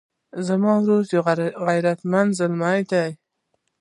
زما ورور یو غیرتمند زلمی ده